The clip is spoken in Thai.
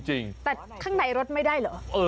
แต่ข้างในรถไม่ได้เหรอ